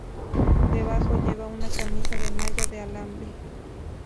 Debajo, lleva una camisa de malla de alambre.